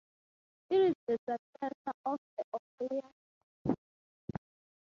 It is the successor to the Oculus Quest.